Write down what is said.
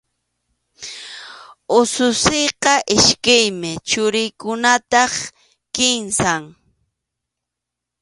Ususiyqa iskaymi, churiykunataq kimsam.